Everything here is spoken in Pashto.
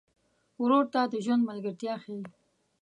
ورور ته د ژوند ملګرتیا ښيي.